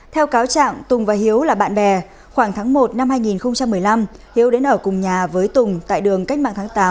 theo cáo trạng tùng và hiếu là bạn bè khoảng tháng một năm hai nghìn một mươi năm hiếu đến ở cùng nhà với tùng tại đường cách mạng tháng tám